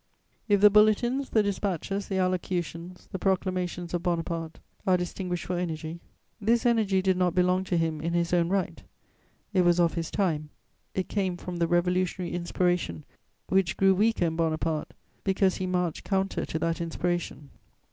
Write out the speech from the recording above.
If the bulletins, the dispatches, the allocutions, the proclamations of Bonaparte are distinguished for energy, this energy did not belong to him in his own right: it was of his time, it came from the revolutionary inspiration which grew weaker in Bonaparte, because he marched counter to that inspiration.